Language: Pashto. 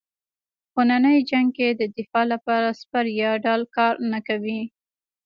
خو نننی جنګ کې د دفاع لپاره سپر یا ډال کار نه ورکوي.